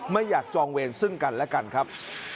ไม่อยากจองเวรซึ่งกันและกันครับ